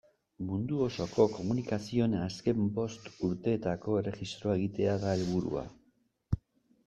Mundu osoko komunikazioen azken bost urteetako erregistroa egitea da helburua.